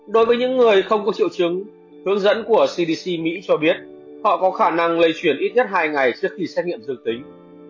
đối với những người không có triệu chứng hướng dẫn của cdc mỹ cho biết họ có khả năng lây chuyển ít nhất hai ngày trước khi xét nghiệm dương tính